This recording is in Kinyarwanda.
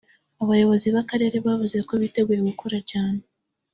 Abayobozi b’akarere bavuze ko biteguye gukora cyane